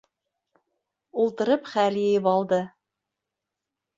Ултырып хәл йыйып алды.